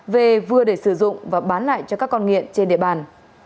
về vừa để sử dụng và bán lại cho các con nghiện trên địa bàn